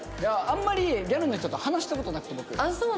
あんまりギャルの人と話した事なくて僕。